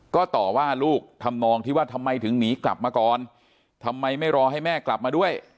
ก็ต่อว่าลูกทำนองที่ว่าทำไมถึงหนีกลับมาก่อนทำไมไม่รอให้แม่กลับมาด้วย